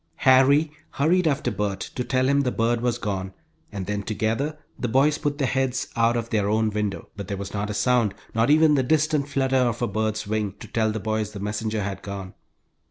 Harry hurried after Bert to tell him the bird was gone, and then together the boys put their heads out of their own window. But there was not a sound, not even the distant flutter of a bird's wing to tell the boys the messenger had gone.